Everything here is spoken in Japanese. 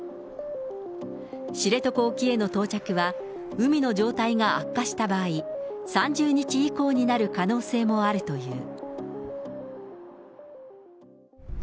知床沖への到着は、海の状態が悪化した場合、３０日以降になる可能性もあるという。